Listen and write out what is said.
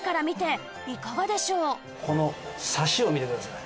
このサシを見てください。